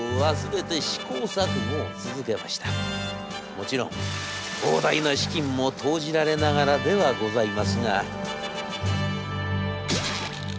もちろん膨大な資金も投じられながらではございますが」。